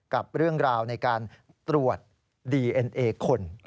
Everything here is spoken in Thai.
กับเรื่องราวในการตรวจดีเอ็นเอคน